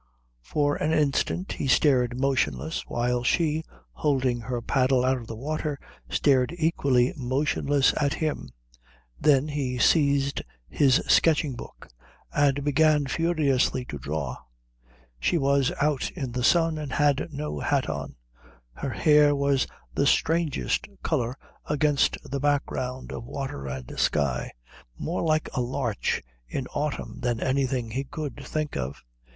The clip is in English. For an instant he stared motionless, while she, holding her paddle out of the water, stared equally motionless at him. Then he seized his sketching book and began furiously to draw. She was out in the sun and had no hat on. Her hair was the strangest colour against the background of water and sky, more like a larch in autumn than anything he could think of.